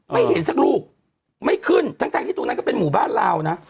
ไม่เห็นสักลูกไม่ขึ้นทั้งที่ตรงนั้นก็เป็นหมู่บ้านลาวนะ